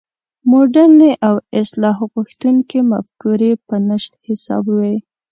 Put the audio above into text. مډرنې او اصلاح غوښتونکې مفکورې په نشت حساب وې.